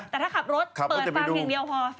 แต่ถ้าขับรถเปิดฟังอย่างเดียวพอ